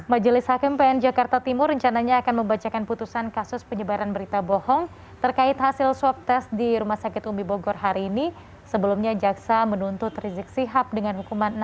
majelis hakim pn jakarta timur rencananya akan membacakan putusan kasus penyebaran berita bohong terkait hasil swab test di rumah sakit umi bogor hari ini sebelumnya jaksa menuntut rizik sihab dengan hukuman